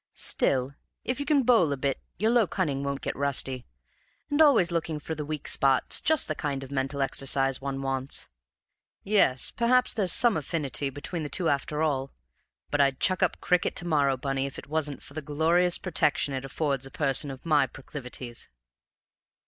Still, if you can bowl a bit your low cunning won't get rusty, and always looking for the weak spot's just the kind of mental exercise one wants. Yes, perhaps there's some affinity between the two things after all. But I'd chuck up cricket to morrow, Bunny, if it wasn't for the glorious protection it affords a person of my proclivities."